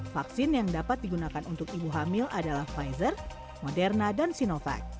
vaksin yang dapat digunakan untuk ibu hamil adalah pfizer moderna dan sinovac